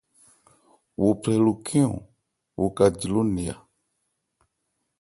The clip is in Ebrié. Wo phrɛ lo khɛ́n-ɔn wo ka di ló-nne.